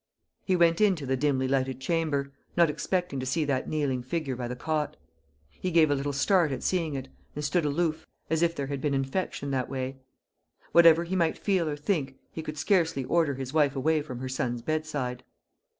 He went into the dimly lighted chamber, not expecting to see that kneeling figure by the cot. He gave a little start at seeing it, and stood aloof, as if there had been infection that way. Whatever he might feel or think, he could scarcely order his wife away from her son's bedside.